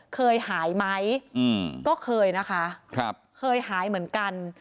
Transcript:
เคยหายไหมอืมก็เคยนะคะครับเคยหายเหมือนกัน